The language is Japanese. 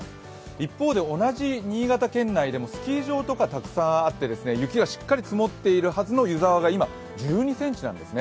一方で同じ新潟県内でもスキー場とかたくさんあって雪がしっかり積もっているはずの湯沢が今、１２ｃｍなんですね